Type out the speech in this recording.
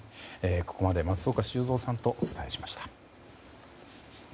ここまで松岡修造さんとお伝えしました。